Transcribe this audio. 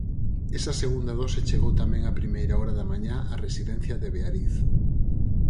Esa segunda dose chegou tamén a primeira hora da mañá a residencia de Beariz.